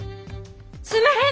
すんまへん。